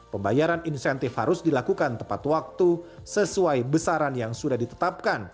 pembayaran insentif harus dilakukan tepat waktu sesuai besaran yang sudah ditetapkan